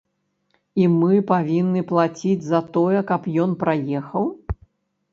І мы павінны плаціць за тое, каб ён праехаў?